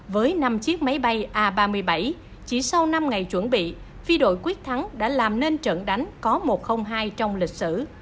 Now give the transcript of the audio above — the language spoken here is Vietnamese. với năm chiếc máy bay a ba mươi bảy chỉ sau năm ngày chuẩn bị phi đội quyết thắng đã làm nên trận đánh có một trăm linh hai trong lịch sử